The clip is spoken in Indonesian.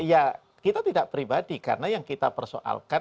ya kita tidak pribadi karena yang kita persoalkan